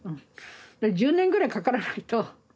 １０年ぐらいかからないと。